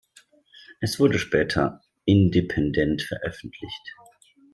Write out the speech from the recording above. Es wurde später independent veröffentlicht.